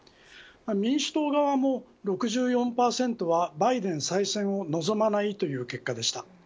民主党側も６４％はバイデン再選を望まないという結果でした。